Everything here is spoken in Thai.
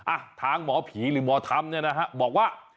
อ่ะทางหมอผีหรือหมอธรรมเนี่ยนะฮะบอกว่า